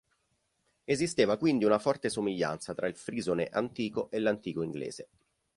Esisteva quindi una forte somiglianza tra il frisone antico e l'antico inglese.